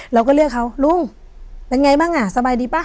เราก็เรียกเขาลุงเป็นไงบ้างอ่ะสบายดีป่ะ